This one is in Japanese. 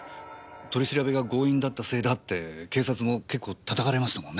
取り調べが強引だったせいだって警察も結構叩かれましたもんね。